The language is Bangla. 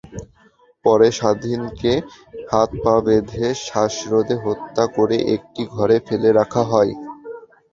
পরে স্বাধীনকে হাত-পা বেঁধে শ্বাসরোধে হত্যা করে একটি ঘরে ফেলে রাখা হয়।